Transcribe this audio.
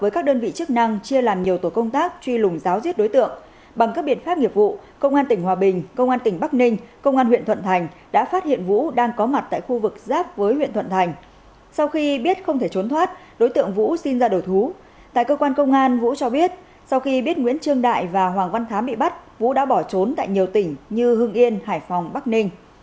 các bạn hãy đăng ký kênh để ủng hộ kênh của chúng mình nhé